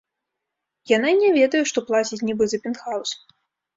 Яна і не ведае, што плаціць нібы за пентхаўс!